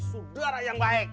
sudara yang baik